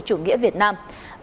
chủ nghĩa việt nam